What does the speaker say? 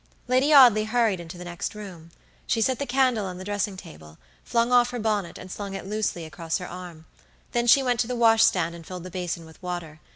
Lady Audley hurried into the next room. She set the candle on the dressing table, flung off her bonnet and slung it loosely across her arm; then she went to the wash stand and filled the basin with water.